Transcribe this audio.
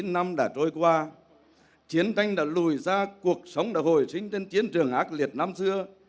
bốn mươi năm năm đã trôi qua chiến tranh đã lùi ra cuộc sống đã hồi sinh trên chiến trường ác liệt năm xưa